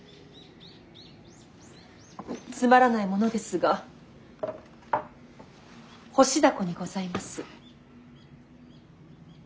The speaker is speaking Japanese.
つまらないものですが干しダコにございます。